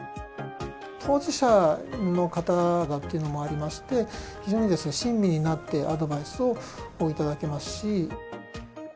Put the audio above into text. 当事者の方だというのもありまして、非常に親身になってアドバイスをいただけますし。